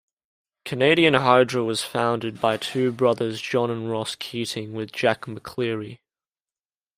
Canadian Hydro was founded by two brothers John and Ross Keating with Jack McCleary.